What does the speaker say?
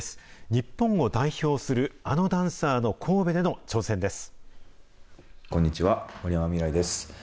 日本を代表するあのダンサーの神戸での挑戦です。